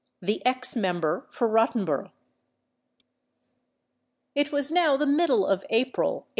THE EX MEMBER FOR ROTTENBOROUGH. It was now the middle of April, 1843.